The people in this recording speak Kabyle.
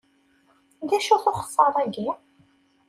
D acu-t uxeṣṣar-agi?